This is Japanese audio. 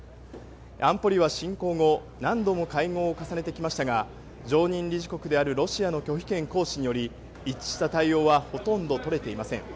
安保理は侵攻後何度も会合を重ねてきましたが常任理事国であるロシアの拒否権行使により一致した対応はほとんどとれていません。